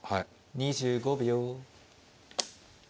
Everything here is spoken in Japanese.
２５秒。